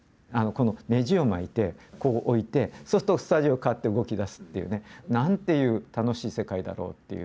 ねじを巻いて置いてそうするとスタジオ変わって動き出すっていうね。なんていう楽しい世界だろうっていう。